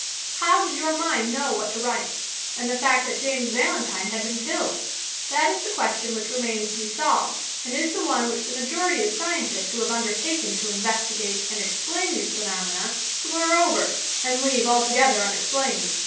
How did your mind know what to write, and the fact that James Valentine had been killed ! That is the ques tion which remains to be solved, and is the one which the majority of scientists wJio have undertaken to in vestigate and e \plain these phenomena sliir over and leave altogether unexplained.